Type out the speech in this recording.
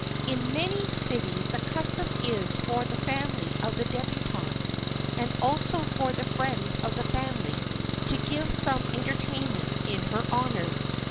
In many cities the custom is for the family of the débutante and also for the friends of the family to give some entertainment in her honor.